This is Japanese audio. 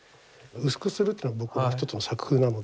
薄くするっていうのが僕の一つの作風なので。